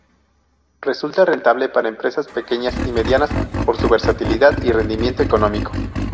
Resulta rentable para empresas pequeñas y medianas por su versatilidad y rendimiento económico.